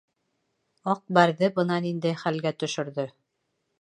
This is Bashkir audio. Аҡ Бәрҙе бына ниндәй хәлгә төшөрҙө.